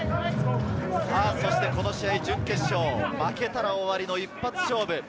準決勝、負けたら終わりの一発勝負。